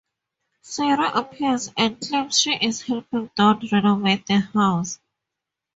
Sarah appears and claims she is helping Don renovate the house.